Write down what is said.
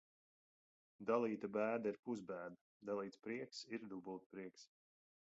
Dalīta bēda ir pusbēda, dalīts prieks ir dubultprieks.